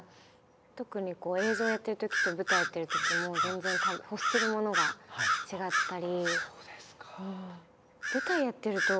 特にこう映像をやってるときと舞台やってるときもう全然欲するものが違ったり。